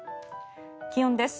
気温です。